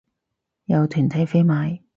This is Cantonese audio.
有團體飛價